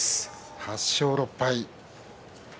８勝６敗。